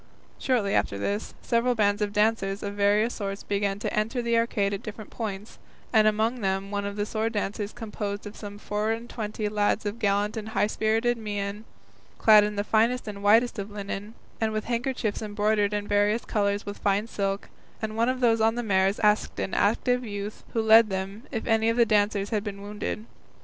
Shortly after this, several bands of dancers of various sorts began to enter the arcade at different points, and among them one of sword dancers composed of some four and twenty lads of gallant and high spirited mien, clad in the finest and whitest of linen, and with handkerchiefs embroidered in various colours with fine silk; and one of those on the mares asked an active youth who led them if any of the dancers had been wounded.